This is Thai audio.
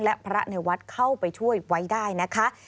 และพระในวัดเข้าไปช่วยไว้ได้นะคะ